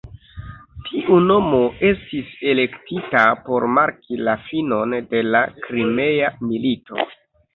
Tiu nomo estis elektita por marki la finon de la Krimea milito.